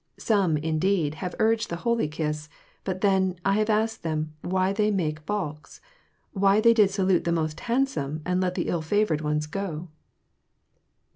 Some, indeed, have urged the holy kiss; but then, I have asked them why they make balks? why they did salute the most handsome and let the ill favored ones go."